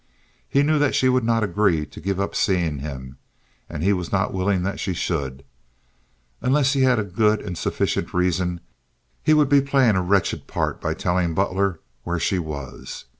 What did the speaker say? He knew that she would not agree to give up seeing him, and he was not willing that she should. Unless he had a good and sufficient reason, he would be playing a wretched part by telling Butler where she was.